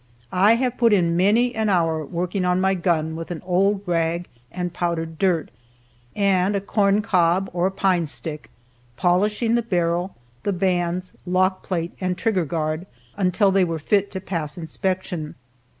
I have put in many an hour working on my gun with an old rag and powdered dirt, and a corncob, or pine stick, polishing the barrel, the bands, lock plate, and trigger guard, until they were fit to pass inspection.